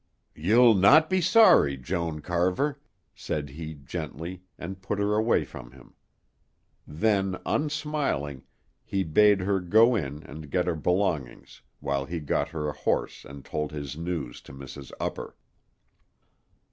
"You'll not be sorry, Joan Carver," said he gently and put her away from him. Then, unsmiling, he bade her go in and get her belongings while he got her a horse and told his news to Mrs. Upper.